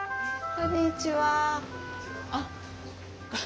こんにちは。